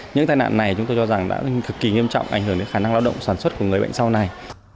những tai nạn này chúng tôi cho rằng đã cực kỳ nghiêm trọng ảnh hưởng đến khả năng lao động sản xuất của người bệnh sau này